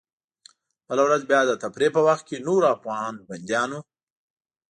بله ورځ بیا د تفریح په وخت کې نورو افغان بندیانو.